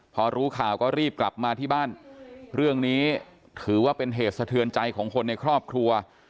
พอรู้ข่าวก็รีบกลับมาที่บ้านเรื่องนี้ถือว่าเป็นเหตุสะเทือนใจของคนในครอบครัว